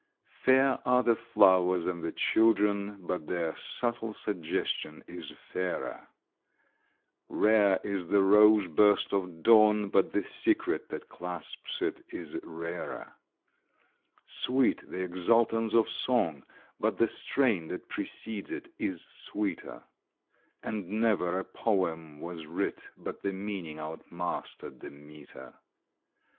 Fair are the flowers and the children, but their subtle suggestion is fairer; Rare is the rose burst of dawn, but the secret that clasps it is rarer; Sweet the exultance of song, but the strain that precedes it is sweeter; And never a poem was writ, but the meaning outmastered the meter.